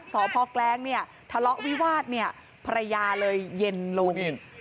สอบพ่อแกล้งทะเลาะวิวาดภรรยาเลยเย็นลง